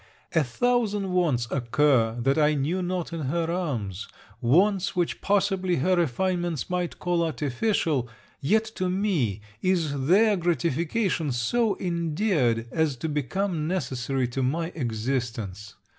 A thousand wants occur, that I knew not in her arms wants which possibly her refinements might call artificial; yet, to me, is their gratification so endeared, as to become necessary to my existence.